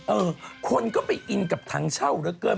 เออคนก็ไปอินกับถังเช่าเหลือเกิน